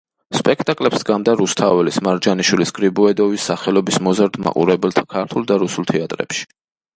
სპექტაკლებს დგამდა რუსთაველის, მარჯანიშვილის, გრიბოედოვის სახელობის მოზარდ მაყურებელთა ქართულ და რუსულ თეატრებში.